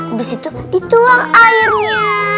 abis itu dituang airnya